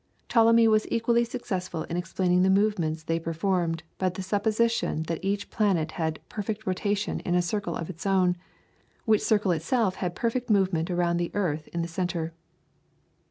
Ptolemy was equally successful in explaining the movements they performed by the supposition that each planet had perfect rotation in a circle of its own, which circle itself had perfect movement around the earth in the centre.